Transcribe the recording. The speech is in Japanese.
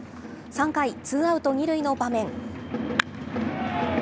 ３回、ツーアウト２塁の場面。